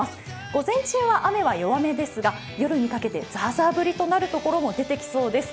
午前中は雨は弱めですが夜にかけてザーザー降りとなるところがでてきそうです。